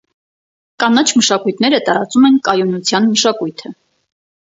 Կանաչ մշակույթները տարածում են կայունության մշակույթը։